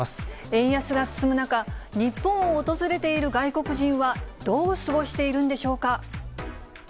円安が進む中、日本を訪れている外国人はどう過ごしているんでしょうか。